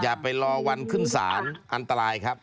อย่าไปรอวันขึ้นศาลอันตรายครับ